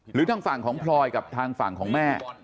หรือทางฝั่งของพลอยกับทางฝั่งของแม่